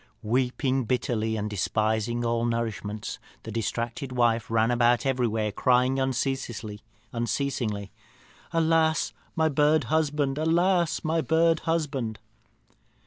"Weeping bitterly, and despising all nourishment, the distracted wife ran about everywhere, crying unceasingly, 'Alas, my bird husband! Alas, my bird husband!'